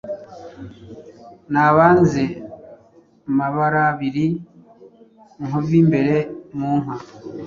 Nabanze Mabarabiri Nkovimbere munka